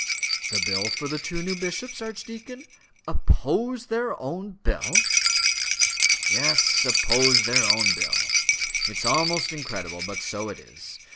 "The bill for the two new bishops, archdeacon? oppose their own bill!" "Yes oppose their own bill. It is almost incredible; but so it is.